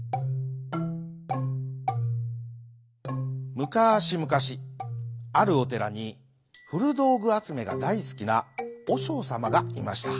むかしむかしあるおてらにふるどうぐあつめがだいすきなおしょうさまがいました。